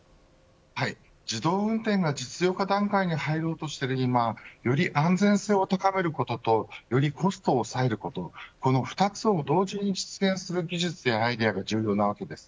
自動運転が実用化段階に入ろうとしている今より安全性を高めることとよりコストを抑えることこの２つを同時に実現する技術やアイデアが重要です。